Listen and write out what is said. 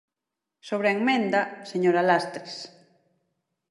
Sobre a emenda, señora Lastres.